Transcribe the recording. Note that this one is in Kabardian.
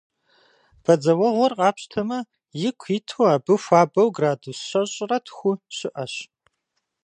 Бадзэуэгъуэр къапщтэмэ, ику иту абы хуабэу градус щэщӏрэ тху щыӏэщ.